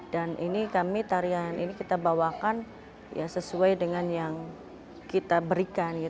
dan ini kami tarian ini kita bawakan sesuai dengan yang kita berikan